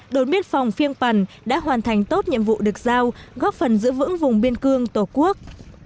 đồn biên phòng phiêng pằn đã hoàn thành tốt nhiệm vụ được giao góp phần giữ vững vùng biên cương tổ quốc